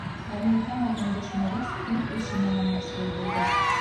Камил һаман өндәшмәгәс, үҙ эше менән мәшғүл булды.